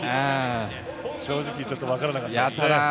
正直ちょっとわからなかった。